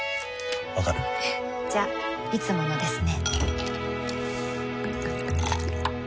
わかる？じゃいつものですね